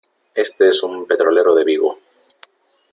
este es un petrolero de Vigo .